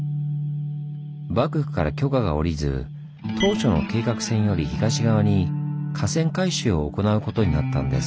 幕府から許可が下りず当初の計画線より東側に河川改修を行うことになったんです。